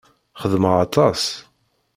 Xedmeɣ aṭas.